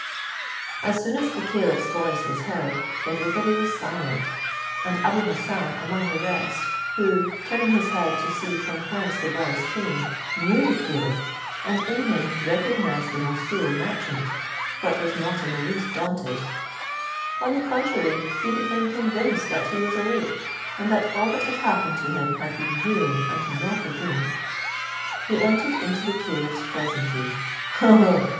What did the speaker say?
As soon as the caliph's voice was heard, every body was silent, and Abou Hassan, among the rest, who, turning his head to see from whence the voice came, knew the caliph, and in him recognised the Moussul merchant, but was not in the least daunted; on the contrary he became convinced that he was awake, and that all that had happened to him had been real, and not a dream. He entered into the caliph's pleasantry. "Ha! ha!"